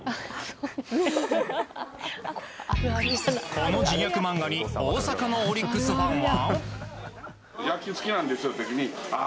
この自虐漫画に大阪のオリックスファンは。